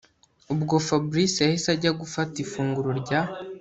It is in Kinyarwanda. Ubwo FABRIC yahise ajya gufata ifunguro rya